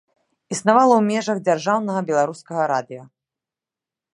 Існавала ў межах дзяржаўнага беларускага радыё.